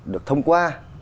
được thông qua